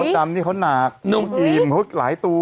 รู้จับนี่เขานักเงินอิ่มเหละหลายตัว